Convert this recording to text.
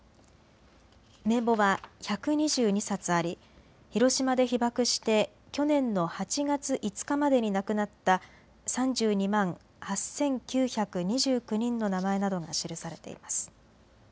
名簿は１２２冊あり広島で被爆して去年の８月５日までに亡くなった３２万８９２９人の名前などが記されています。